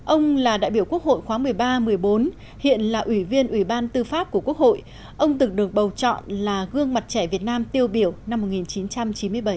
ông là đại biểu quốc hội khóa một mươi ba một mươi bốn hiện là ủy viên ủy ban tư pháp của quốc hội ông từng được bầu chọn là gương mặt trẻ việt nam tiêu biểu năm một nghìn chín trăm chín mươi bảy